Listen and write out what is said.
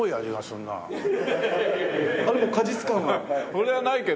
それはないけど。